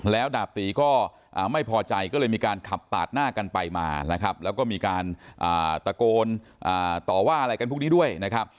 แล้วดาบตีก็ไม่พอใจก็เลยมีการขับปาดหน้ากันไปมานะครับแล้วก็มีการตะโกนต่อว่าอะไรกันพวกนี้ด้วยนะครับ